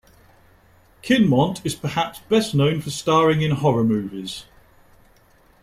Kinmont is perhaps best known for starring in horror movies.